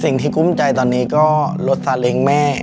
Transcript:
สิ่งที่คุ้มใจตอนนี้ก็รถซาเล้งแม่